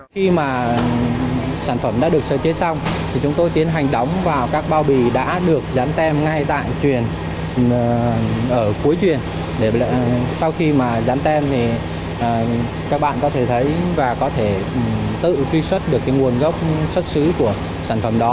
khi mà dán tem thì các bạn có thể thấy và có thể tự truy xuất được cái nguồn gốc xuất xứ của sản phẩm đó